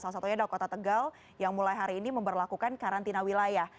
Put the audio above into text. salah satunya adalah kota tegal yang mulai hari ini memperlakukan karantina wilayah